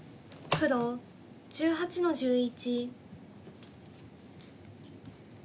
黒１８の十三。